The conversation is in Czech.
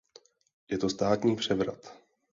Je to státní převrat.